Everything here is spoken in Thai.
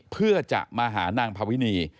เพื่อจะมาหานางพาวินี